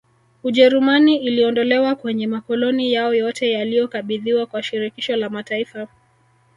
Ujerumani iliondolewa kwenye makoloni yao yote yaliyokabidhiwa kwa shirikisho la mataifa